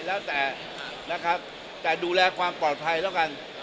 แล้วแต่นะครับแต่ดูแลความปลอดภัยแล้วกัน